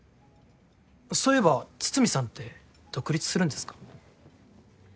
そういえば筒見さんって独立するんですか？